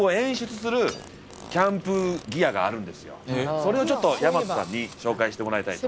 それをちょっと大和さんに紹介してもらいたいと。